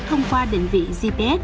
thông qua định vị gps